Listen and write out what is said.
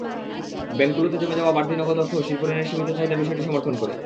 ব্যাংকগুলোতে জমে যাওয়া বাড়তি নগদ অর্থও শিল্পঋণের সীমিত চাহিদার বিষয়টি সমর্থন করে।